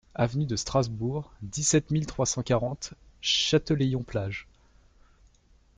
Avenue de Strasbourg, dix-sept mille trois cent quarante Châtelaillon-Plage